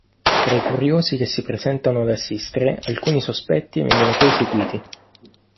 Tra i curiosi che si presentano ad assistere alcuni sospetti vengono poi seguiti.